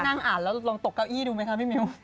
นั่งอ่านแล้วลองตกเก้าอี้ดูไหมคะพี่มิ้ว